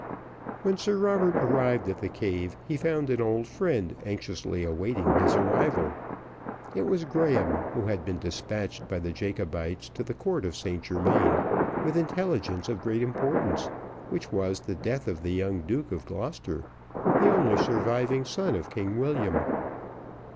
When Sir Robert arrived at the cave, he found an old friend anxiously awaiting his arrival; it was Graham, who had been despatched by the Jacobites to the court of St Germains, with intelligence of great importance, which was the death of the young Duke of Gloucester, the only surviving son of King William.